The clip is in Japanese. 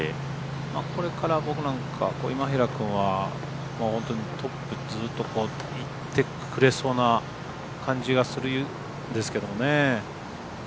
これから僕なんか、今平君はもうトップずっといってくれそうな感じがするんですけどもね。